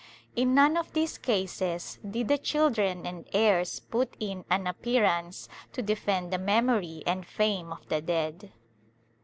In none of these cases did the children and heirs put in an appearance to defend the memory and fame of the dead.